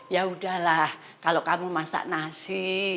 yaudahlah kalau kamu masak nasi